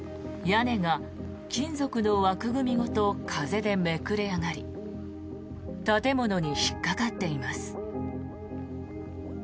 屋根が金属の枠組みごと風でめくれ上がり建物に引っかかっています。